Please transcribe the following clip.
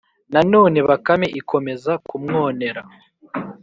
nanone bakame ikomeza kumwonera.